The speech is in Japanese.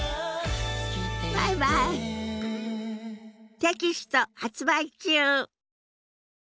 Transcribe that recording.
テキスト発売中。